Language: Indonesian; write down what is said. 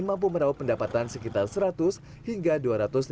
mampu merauh pendapatan sekitar seratus hingga dua ratus